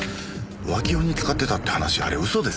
浮気用に使ってたって話あれ嘘ですよね。